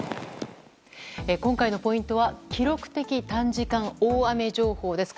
今回のポイントは記録的短時間大雨情報です。